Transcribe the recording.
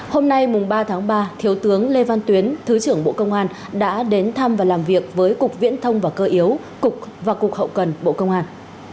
hôm nay ba tháng ba thiếu tướng lê văn tuyến thứ trưởng bộ công an đã đến thăm và làm việc với cục viễn thông và cơ yếu và cục hậu cần bộ công an